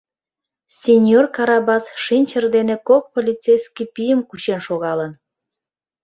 Синьор Карабас шинчыр дене кок полицейский пийым кучен шогалын.